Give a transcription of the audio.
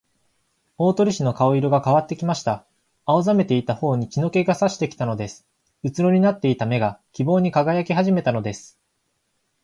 大鳥氏の顔色がかわってきました。青ざめていたほおに血の気がさしてきたのです。うつろになっていた目が、希望にかがやきはじめたのです。